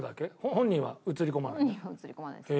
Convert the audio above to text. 本人は写り込まないですね。